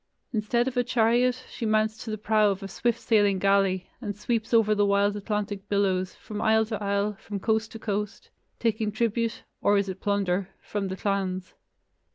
Instead of a chariot, she mounts to the prow of a swift sailing galley, and sweeps over the wild Atlantic billows, from isle to isle, from coast to coast, taking tribute (or is it plunder?) from the clans.